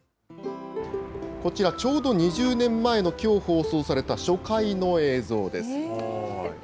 こちら、ちょうど２０年前のきょう放送された、初回の映像です。